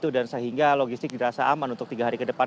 dan sehingga logistik dirasa aman untuk tiga hari ke depan